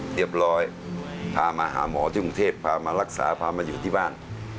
เรียบร้อยพามาหาหมอที่กรุงเทพพามารักษาพามาอยู่ที่บ้าน